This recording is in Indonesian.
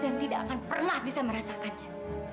dan tidak akan pernah bisa merasakannya